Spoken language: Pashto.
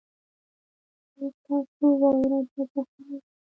ایا ستاسو واوره به ذخیره وي؟